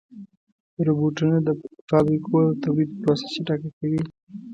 روبوټونه د فابریکو د تولید پروسه چټکه کوي.